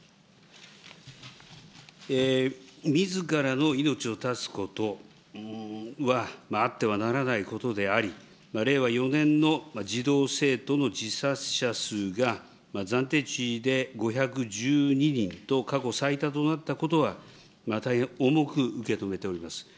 みずからの命を絶つことはあってはならないことであり、令和４年の児童・生徒の自殺者数が、暫定値で５１２人と過去最多となったことは、大変重く受け止めております。